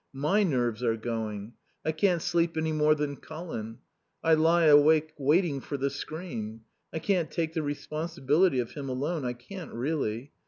My nerves are going. I can't sleep any more than Colin. I lie awake waiting for the scream. I can't take the responsibility of him alone, I can't really.